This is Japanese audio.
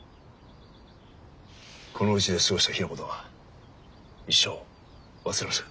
このうちで過ごした日のことは一生忘れません。